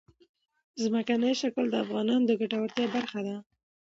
ځمکنی شکل د افغانانو د ګټورتیا برخه ده.